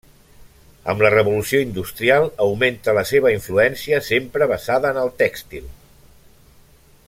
Amb la Revolució industrial augmenta la seva influència, sempre basada en el tèxtil.